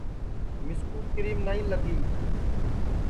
مِسکُو کیرم نائی لگی